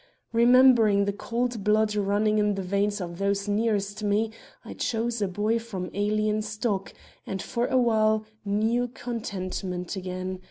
Remembering the cold blood running in the veins of those nearest me, I chose a boy from alien stock and, for a while, knew contentment again.